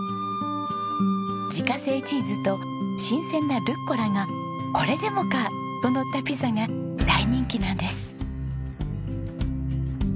自家製チーズと新鮮なルッコラが「これでもか！」とのったピザが大人気なんです。